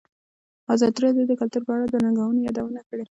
ازادي راډیو د کلتور په اړه د ننګونو یادونه کړې.